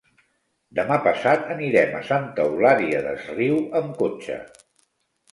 Demà passat anirem a Santa Eulària des Riu amb cotxe.